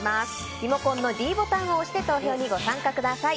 リモコンのｄボタンを押して投票にご参加ください。